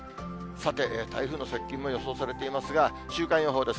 さて、台風の接近も予想されていますが、週間予報です。